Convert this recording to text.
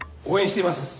応援しています。